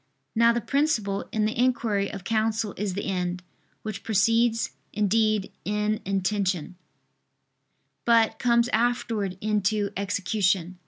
Now the principle in the inquiry of counsel is the end, which precedes indeed in intention, but comes afterwards into execution.